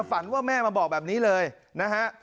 ฝันว่าแม่มาบอกแบบนี้เลยนะฮะ